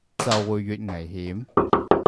就會越危險